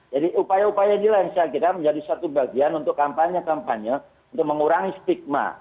jadi upaya upaya inilah yang saya kira menjadi satu bagian untuk kampanye kampanye untuk mengurangi stigma